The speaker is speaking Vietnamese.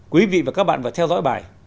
quý vị và các bạn phải theo dõi bài